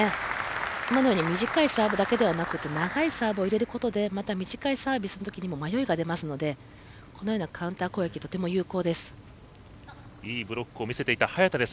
今のように短いサーブだけでなく長いサーブを入れることで、また短いサービスの時にも迷いが出ますのでこのようなカウンター攻撃とても有効です。